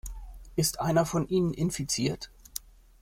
Ist einer von ihnen infiziert?